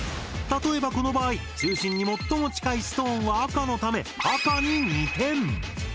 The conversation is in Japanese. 例えばこの場合中心に最も近いストーンは赤のため赤に２点。